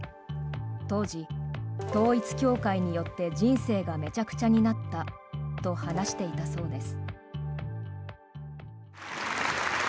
当時、統一教会によって人生がめちゃくちゃになったと話していたそうです。